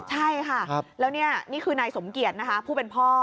ใช่ค่ะแล้วนี่คือนายสมเกียจนะคะผู้เป็นพ่อ